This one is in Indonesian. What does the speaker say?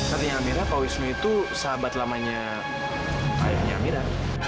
artinya amira pak wisnu itu sahabat lamanya ayahnya amira